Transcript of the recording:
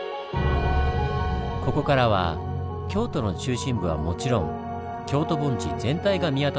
ここからは京都の中心部はもちろん京都盆地全体が見渡せます。